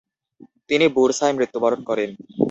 তিনি বুরসায় মৃত্যুবরণ করেন।